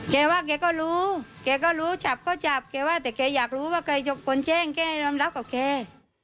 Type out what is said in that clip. แกว่าแกก็รู้แกก็รู้จับก็จับแกว่าแต่แกอยากรู้ว่าใครจะคนแจ้งแกยอมรับกับแก